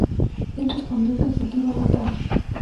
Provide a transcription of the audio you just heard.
Él respondió que cultivaba el Tao.